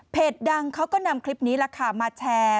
เพจดังเขาก็นำคลิปนี้มาแชร์